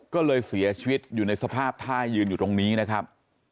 ก็เลยเสียชีวิตอยู่ในสภาพท่ายืนอยู่ตรงนี้นะครับ